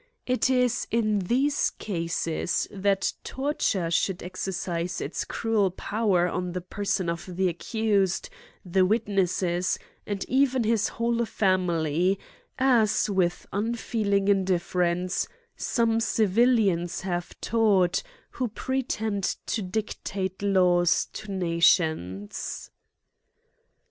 It is in these cases that torture should exercise its cru el power on the person of the accused, the wit nesses, and even, his whole family, as, with un feeling indifference, some civilians have taught^ who pretend to dictate laws to nations.